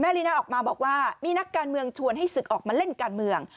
ลีน่าออกมาบอกว่ามีนักการเมืองชวนให้ศึกออกมาเล่นการเมือง